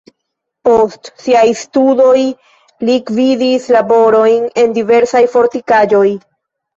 Post siaj studoj li gvidis laborojn en diversaj fortikaĵoj.